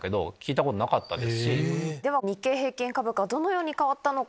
では日経平均株価はどのように変わったのか。